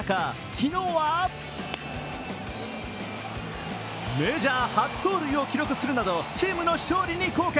昨日は、メジャー初盗塁を記録するなどチームの勝利に貢献。